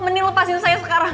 mending lepasin saya sekarang